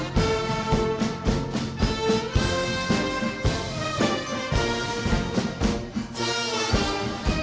kepada inspektur upacara hormat senjata